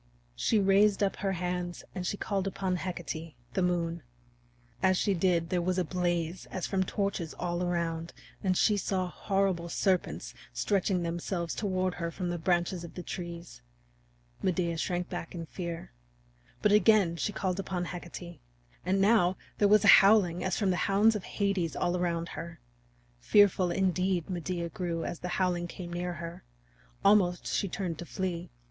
She raised up her hands and she called upon Hecate, the Moon. As she did, there was a blaze as from torches all around, and she saw horrible serpents stretching themselves toward her from the branches of the trees. Medea shrank back in fear. But again she called upon Hecate. And now there was a howling as from the hounds of Hades all around her. Fearful, indeed, Medea grew as the howling came near her; almost she turned to flee.